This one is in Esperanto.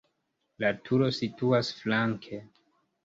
La turo situas flanke.